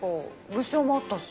物証もあったし。